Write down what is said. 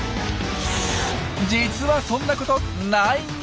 実はそんなことないんです！